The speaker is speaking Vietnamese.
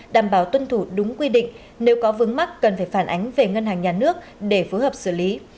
đảm bảo tuân thủ đúng quy định nếu có vướng mắc cần phải phản ánh về ngân hàng nhà nước để phối hợp xử lý